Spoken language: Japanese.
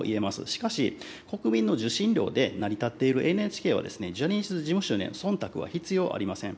しかし、国民の受信料で成り立っているＮＨＫは、ジャニーズ事務所にはそんたくは必要ありません。